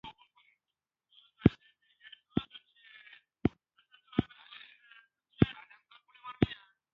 ویده بدن ته آرامي اړتیا لري